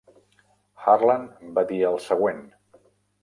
Harlan va dir el següent.